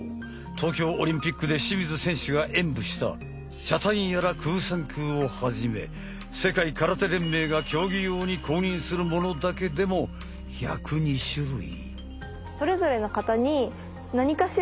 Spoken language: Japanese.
東京オリンピックで清水選手が演武したチャタンヤラ・クーサンクーをはじめ世界空手連盟が競技用に公認するものだけでも１０２種類。